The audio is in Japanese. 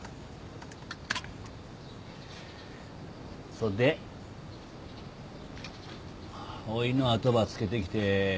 そっでおぃの後ばつけてきて何か用ね？